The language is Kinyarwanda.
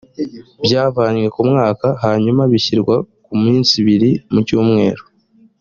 byavanywe mu mwaka hanyuma bishyirwa ku minsi ibiri mu cyumweru.